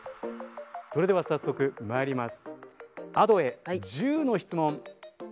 それでは早速まいります。